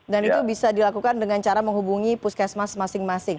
dan itu bisa dilakukan dengan cara menghubungi puskesmas masing masing